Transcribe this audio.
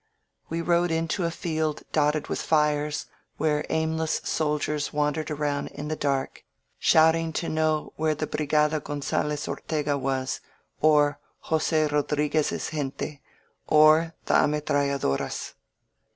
We rode into a field dotted with fires, where aimless soldiers wandered around in the dark, shouting SS5 INSURGENT MEXICO to know where the Brigada Gronzales Ortega was, or Jose Rodriguez's gente, or the amitraiUadoras.